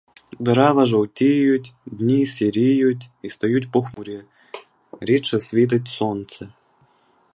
Дерева жовтіють, дні сіріють і стають похмурі, рідше світить сонце.